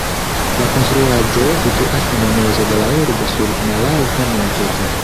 La konstruaĵo situas en mezo de la urbo sur malalta monteto.